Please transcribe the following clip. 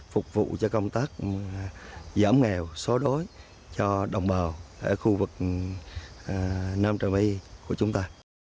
phục vụ cho công tác giảm nghèo xóa đối cho đồng bào ở khu vực nam trà my của chúng ta